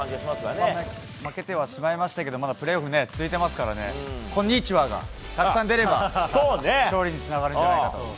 負けてはしまいましたがまだプレーオフは続いているのでコンニチハ！がたくさん出れば勝利につながるんじゃないかと。